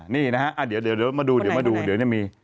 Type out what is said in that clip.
นี่นะฮะเดี๋ยวมาดูเดี๋ยวมีนะฮะ